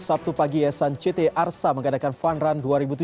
sabtu pagi yayasan ct arsa mengadakan fun run dua ribu tujuh belas